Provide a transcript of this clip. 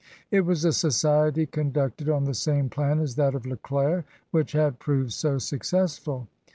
It was a society conducted on the same plan as that of Leclair, which had proved so successful.